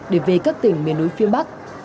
để về các tỉnh miền núi phía bắc